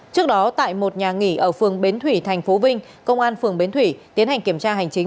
trước đó tại một nhà nghỉ ở phường bến thủy thành phố vinh công an phường bến thủy tiến hành kiểm tra hành chính